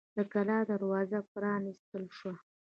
د کلا دروازه پرانیستل شوه.